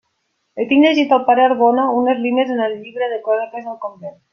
Li tinc llegit al pare Arbona unes línies en el llibre de cròniques del convent.